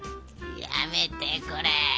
やめてくれ。